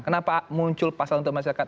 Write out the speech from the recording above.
kenapa muncul pasal untuk masyarakat